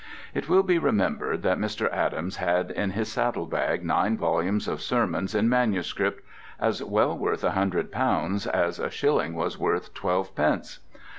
It will be remembered that Mr. Adams had in his saddlebag nine volumes of sermons in manuscript, "as well worth a hundred pounds as a shilling was worth twelve pence."